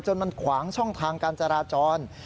มันขวางช่องทางการจราจร